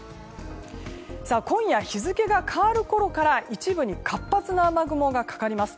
今夜、日付が変わるころから一部に活発な雨雲がかかります。